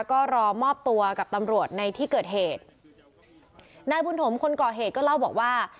ก็รอมอบตัวกับตำรวจในที่เกิดเหตุนายบุญถมคนก่อเหตุก็เล่าบอกว่า